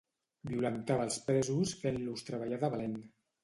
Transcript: Violentava els presos fent-los treballar de valent.